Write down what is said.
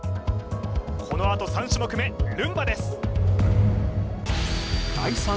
このあと３種目目ルンバです